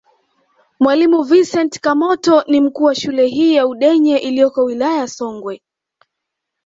Mwalimu Vincent Kamoto ni mkuu wa shule hii ya Udenye iliyoko wilayani Songwe